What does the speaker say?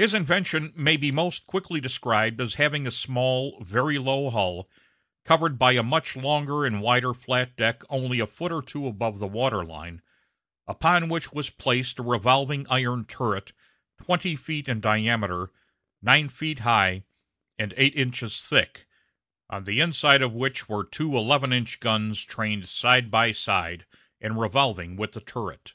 His invention may be most quickly described as having a small, very low hull, covered by a much longer and wider flat deck only a foot or two above the water line, upon which was placed a revolving iron turret twenty feet in diameter, nine feet high, and eight inches thick, on the inside of which were two eleven inch guns trained side by side and revolving with the turret.